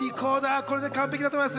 これで完璧だと思います。